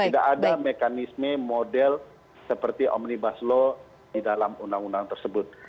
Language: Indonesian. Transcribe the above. tidak ada mekanisme model seperti omnibus law di dalam undang undang tersebut